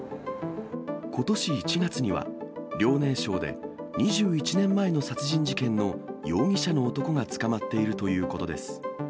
ことし１月には、遼寧省で２１年前の殺人事件の容疑者の男が捕まっているということです。